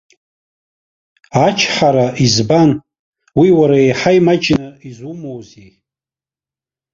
Ачҳара избан, уи уара еиҳа имаҷны изумоузеи?